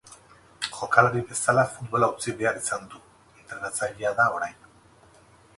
Jokalari bezala futbola utzi behar izan du, entrenatzailea da orain.